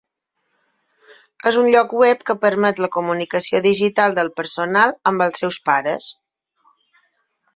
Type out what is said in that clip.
És un lloc web que permet la comunicació digital del personal amb els seus pares.